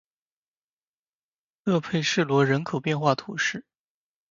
勒佩什罗人口变化图示